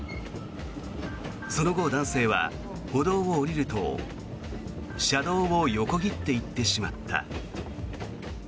その後、男性は歩道を下りると車道を横切って行ってしまった。